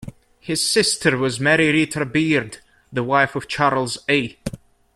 His sister was Mary Ritter Beard, the wife of Charles A.